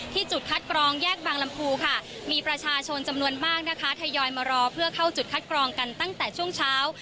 จุดคัดกรองแยกบางลำพูค่ะมีประชาชนจำนวนมากนะคะทยอยมารอเพื่อเข้าจุดคัดกรองกันตั้งแต่ช่วงเช้า